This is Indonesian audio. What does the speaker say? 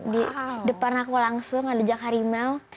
di depan aku langsung ada jak harimau